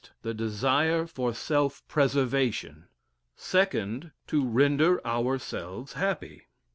The desire for self preservation. 2nd. To render ourselves happy.